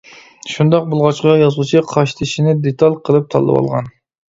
شۇنداق بولغاچقا، يازغۇچى قاشتېشىنى دېتال قىلىپ تاللىۋالغان.